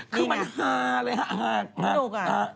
คือมันหาเลยหากหาก